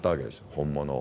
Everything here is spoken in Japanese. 本物を。